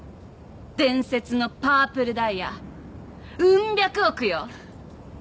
伝説のパープルダイヤうん百億よ。